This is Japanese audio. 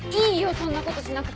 そんなことしなくて。